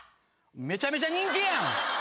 めちゃめちゃ人気やん！